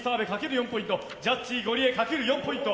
４ポイントジャッジゴリエかける４ポイント。